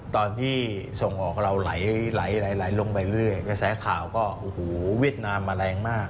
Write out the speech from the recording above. ตอนที่ส่งออกเราไหลลงไปเรื่อยกระแสข่าวก็โอ้โหเวียดนามมาแรงมาก